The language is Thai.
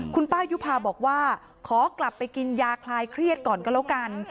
คุณป้ายุภาบอกว่าขอกลับไปกินยาคลายเครียดก่อนก็แล้วกัน